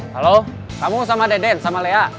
halo kamu sama deden sama lea